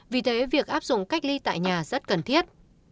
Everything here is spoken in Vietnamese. vì thế việc áp dụng cách ly tại nhà rất cần thiết